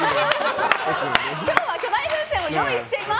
今日は巨大風船を用意しています。